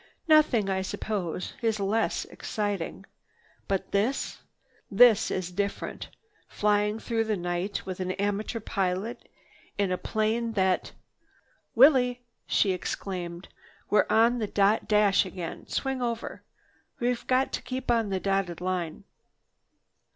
Nothing, I suppose, is less exciting. But this—this is different, flying through the night with an amateur pilot in a plane that—" "Willie!" she exclaimed, "We're on the dot dash again. Swing over. We've got to keep on the dotted line."